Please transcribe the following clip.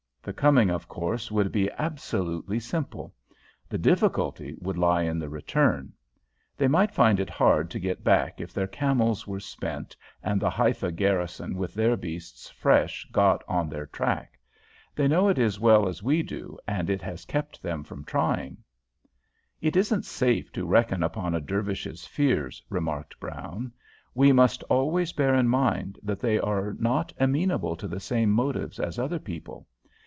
The coming, of course, would be absolutely simple. The difficulty would lie in the return. They might find it hard to get back if their camels were spent and the Haifa garrison with their beasts fresh got on their track. They know it as well as we do, and it has kept them from trying." "It isn't safe to reckon upon a Dervish's fears," remarked Brown. "We must always bear in mind that they are not amenable to the same motives as other people.